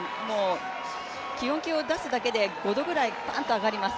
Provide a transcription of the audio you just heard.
気温計を出すだけで５度ぐらいぐわっと上がります。